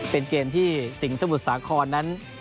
เป็นเกมที่สิงห์สมุทรสาครนั้น